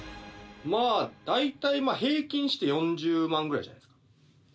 まあ大体平均して４０万ぐらいじゃないですか。